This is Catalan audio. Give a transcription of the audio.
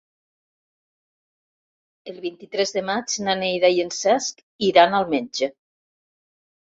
El vint-i-tres de maig na Neida i en Cesc iran al metge.